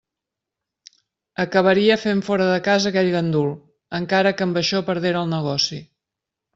Acabaria fent fora de casa aquell gandul, encara que amb això perdera el negoci.